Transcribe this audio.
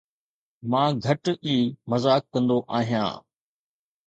مان گهٽ ئي مذاق ڪندو آهيان